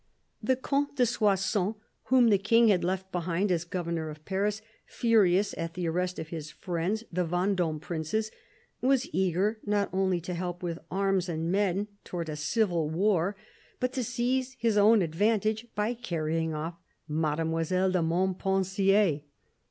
The Comte de Soissons, whom the King had left behind as governor of Paris, furious at the arrest of his friends the Vendome princes, was eager not only to help with arms and men towards a civil war, but to seize his own advantage by carrying off Mademoiselle de Montpensier.